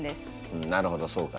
うんなるほどそうか。